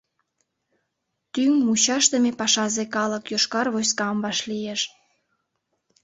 Тӱҥ-мучашдыме пашазе калык йошкар войскам вашлиеш.